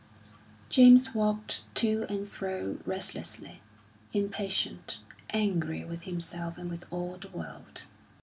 James walked to and fro restlessly, impatient, angry with himself and with all the world.